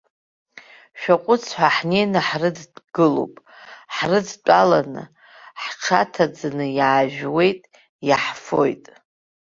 Шәаҟәыҵ ҳәа ҳнеины ҳрыдгылоуп, ҳрыдтәаланы, ҳҽаҭаӡаны иаажәуеит, иаҳфоит.